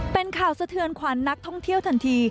เป็นข่าวสะเทือนขวัญนักท่องเที่ยวทันที